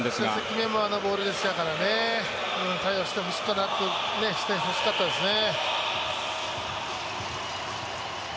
決め球のボールでしたからね対応してほしかったですね。